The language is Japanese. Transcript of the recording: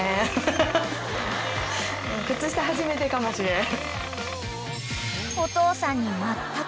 靴下はじめてかもしれん。